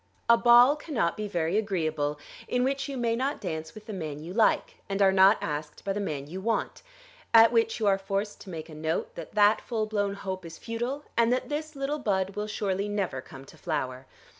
A ball cannot be very agreeable in which you may not dance with the man you like and are not asked by the man you want; at which you are forced to make a note that that full blown hope is futile, and that this little bud will surely never come to flower.